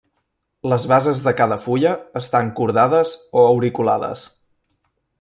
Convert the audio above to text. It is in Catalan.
Les bases de cada fulla estan cordades o auriculades.